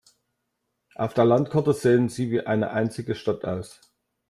Auf der Landkarte sehen sie wie eine einzige Stadt aus.